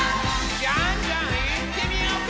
ジャンジャンいってみようか！